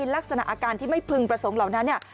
ลักษณะอาการที่ไม่พึงประสงค์เหล่านั้น